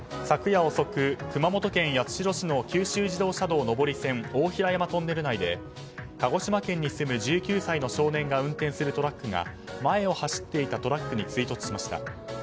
昨夜遅く、熊本県八代市の九州自動車道上り線大平山トンネル内で鹿児島県に住む１９歳の少年が運転するトラックが前を走っていたトラックに追突しました。